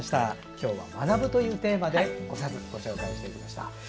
今日は「学ぶ」というテーマで５冊、ご紹介していきました。